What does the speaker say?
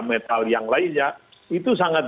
metal yang lainnya itu sangat